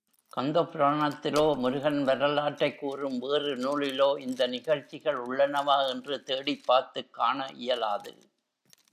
கந்தபுராணத்திலோ முருகன் வரலாற்றைக் கூறும் வேறு நூலிலோ இந்த நிகழ்ச்சிகள் உள்ளனவா என்று தேடிப் பார்த்துக் காண இயலாது.